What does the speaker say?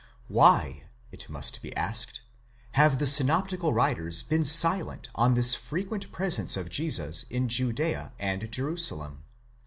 Why, it must be asked, have the synoptical writers been silent on this fre quent presence of Jesus in Judeaand Jerusalem?